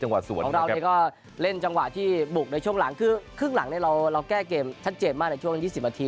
ของเราเนี่ยก็เล่นจังหวะที่บุกในช่วงหลังคือครึ่งหลังเนี่ยเราแก้เกมชัดเจนมากในช่วง๒๐นาที